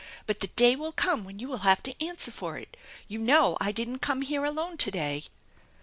But the day will come when you will have to answer for it! You know I didn't come here alone to day